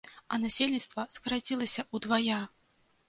А насельніцтва скарацілася ўдвая!